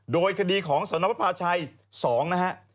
โดยคดีของสนวภาชัย๒นะฮะ